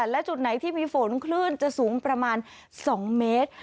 และจุดไหนที่มีฝนคลื่นจะสูงประมาณ๒เมตร